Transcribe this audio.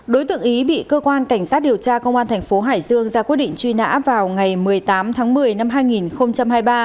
đối tượng ý bị cơ quan cảnh sát điều tra công an thành phố hải dương ra quyết định truy nã vào ngày một mươi tám tháng một mươi năm hai nghìn hai mươi ba